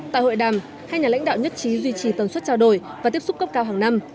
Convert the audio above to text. tại hội đàm hai nhà lãnh đạo nhất trí duy trì tần suất trao đổi và tiếp xúc cấp cao hàng năm